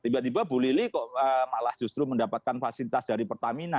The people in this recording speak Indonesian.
tiba tiba bu lili kok malah justru mendapatkan fasilitas dari pertamina